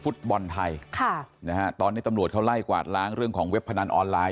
ฟุตบอลไทยค่ะนะฮะตอนนี้ตำรวจเขาไล่กวาดล้างเรื่องของเว็บพนันออนไลน